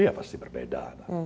ya pasti berbeda